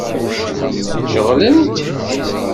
Ceɣlent?